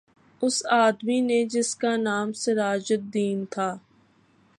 اس آدمی نے جس کا نام سراج دین تھا